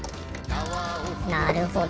なるほど。